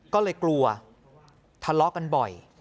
ก็เลยกลัวทะเลาะกันบ่อย